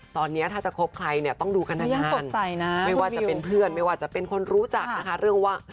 ตอนนี้ถ้าจะคบใครเนี่ยต้องดูกันนานไม่ว่าจะเป็นเพื่อนไม่ว่าจะเป็นคนรู้จักนะคะเรื่องว่า